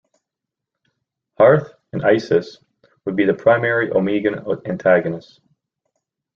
Harth and Isis would be the primary Omegan antagonists.